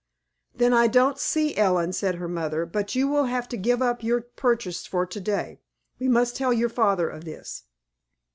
"Then I don't see, Ellen," said her mother, "but you will have to give up your purchase for to day. We must tell your father of this."